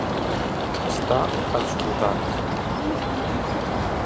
Està esgotat.